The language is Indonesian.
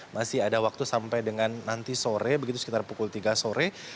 masih ada waktu sampai dengan nanti sore begitu sekitar pukul tiga sore